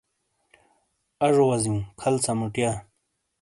اژو وازیو کھل سموٹیا